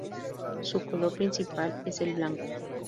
Su color principal es el blanco.